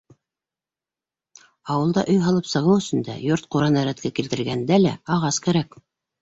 Ауылда өй һалып сығыу өсөн дә, йорт-ҡураны рәткә килтергәндә лә ағас кәрәк.